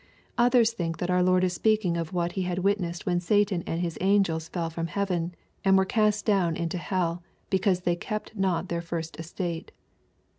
Others think that our Lord is speaking of ^hat He had witnessed when Satan and his angels fell from heaven, and were cast down into hell, because they kept not their first estate.